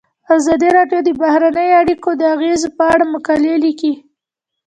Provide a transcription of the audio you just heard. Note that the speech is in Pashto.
ازادي راډیو د بهرنۍ اړیکې د اغیزو په اړه مقالو لیکلي.